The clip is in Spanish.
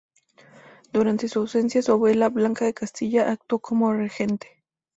Durante su ausencia, su abuela, Blanca de Castilla, actuó como regente.